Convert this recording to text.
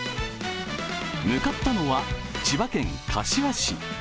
向かったのは千葉県柏市。